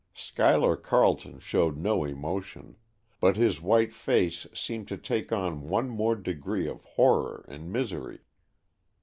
Schuyler Carleton showed no emotion, but his white face seemed to take on one more degree of horror and misery.